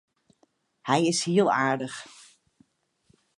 Hy is hiel aardich.